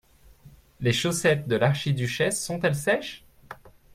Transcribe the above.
Les chaussettes de l'archiduchesse sont-elles sèches?